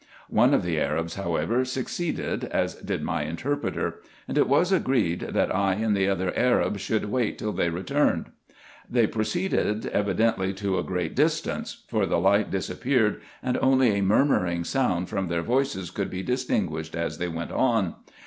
One of the Arabs, however, succeeded, as did my interpreter ; and it was agreed, that I and the other Arab should wait till they returned. They pro ceeded evidently to a great distance, for the light disappeared, and only a murmuring sound from their voices could be distinguished as they went on.